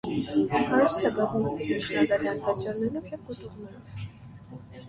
Հարուստ է բազմաթիվ միջնադարյան տաճարներով և կոթողներով։